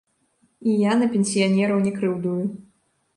І я на пенсіянераў не крыўдую.